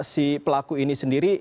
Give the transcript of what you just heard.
si pelaku ini sendiri